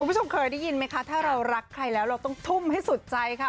คุณผู้ชมเคยได้ยินไหมคะถ้าเรารักใครแล้วเราต้องทุ่มให้สุดใจค่ะ